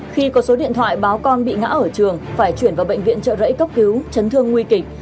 khi có số điện thoại báo con bị ngã ở trường phải chuyển vào bệnh viện trợ rẫy cấp cứu chấn thương nguy kịch